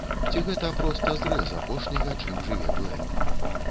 Ці гэта проста зрэз апошняга, чым жыве дуэт?